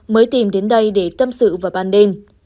mới tìm đến đây để tâm sự vào ban đêm